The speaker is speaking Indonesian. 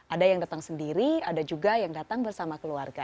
ada yang datang sendiri ada juga yang datang bersama keluarga